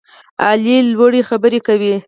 علي لوړې خبرې کوي.